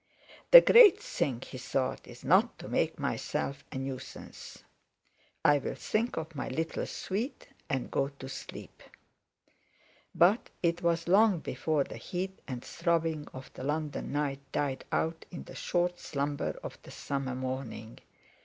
"The great thing," he thought "is not to make myself a nuisance. I'll think of my little sweet, and go to sleep." But it was long before the heat and throbbing of the London night died out into the short slumber of the summer morning.